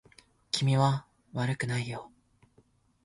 君は悪くないよ